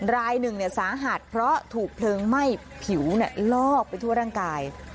รายหนึ่งสาหัสเพราะถูกเพลิงไหม้ผิวลอกไปทั่วร่างกาย